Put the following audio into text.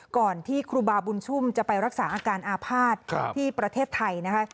ก่อนที่ครูบาบุญชุ่มจะไปรักษาอาการอาภาษณ์ที่ประเทศไทยนะคะ